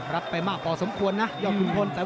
รับไปมากพอสมควรนะยอดขุนพล